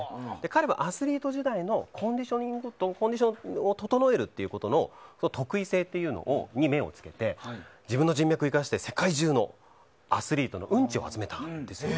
彼はアスリート時代のコンディションを整えるということの特異性というのに目をつけて自分の人脈を生かして世界中のアスリートのうんちを集めたんです。